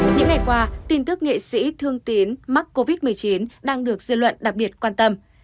những ngày qua tin tức nghệ sĩ thương tiến mắc covid một mươi chín đang được dư luận đặc biệt quan tâm